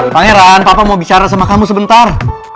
pangeran papa mau bicara sama kamu sebentar